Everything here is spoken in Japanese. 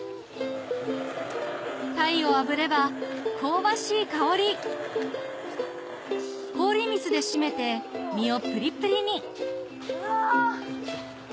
タイをあぶれば香ばしい香り氷水で締めて身をプリプリにうわ！